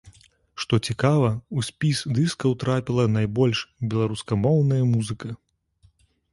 Што цікава, у спіс дыскаў трапіла найбольш беларускамоўная музыка.